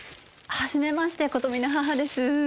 初めまして琴美の母です